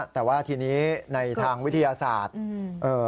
แต่ว่าทีนี้ในทางวิทยาศาสตร์